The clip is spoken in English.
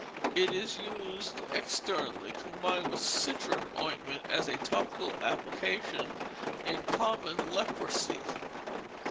It is used externally, combined with citron ointment, as a topical application in common leprosy.